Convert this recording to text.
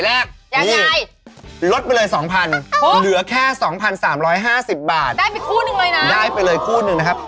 ได้ไปคู่หนึ่งเลยนะครับได้ไปเลยคู่หนึ่งนะครับ